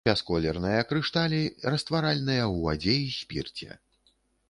Бясколерныя крышталі, растваральныя ў вадзе і спірце.